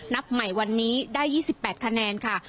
นับใหม่วันนี้ได้๒๘คะแนนค่ะ